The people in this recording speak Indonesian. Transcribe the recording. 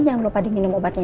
jangan lupa diminum obatnya